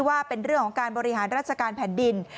ว่าเป็นเรื่องของการบริหารราชการแผ่นดิน